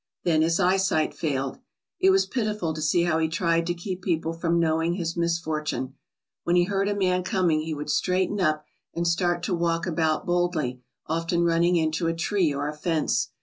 Then his eyesight failed. It was pitiful to see how he tried to keep people from knowing his misfortune. When he heard a man coming he would straighten up and start to walk about boldly, often run ning into a tree or a fence.